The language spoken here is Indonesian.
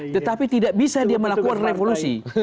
tetapi tidak bisa dia melakukan revolusi